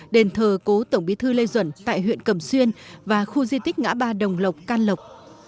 đền thờ cố tổng bí thư lê duẩn tại huyện cầm xuyên và khu di tích ngã ba đồng lộc can lộc